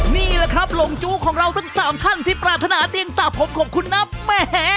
นี่แหละครับหลงจูของเรา๓ท่านที่ปราทนาเตียงสาบผมของคุณนับแม่